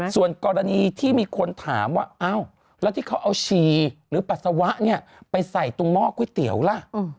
ส่วนกรณีที่มีคนถามว่าอ้าวแล้วที่เขาเอาชีหรือปัสสาวะเนี่ยไปใส่ตรงหม้อก๋วยเตี๋ยวล่ะ